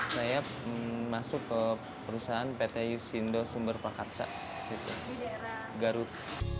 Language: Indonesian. saya masuk ke perusahaan pt yusindo sumber prakarsa garut